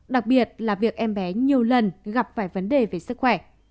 đặc biệt là việc em bé nhiều lần gặp phải vấn đề về sức khỏe